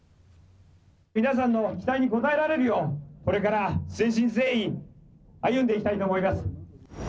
皆さんの期待に応えられるよう、これから誠心誠意、歩んでいきたいと思います。